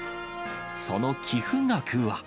その寄付額は。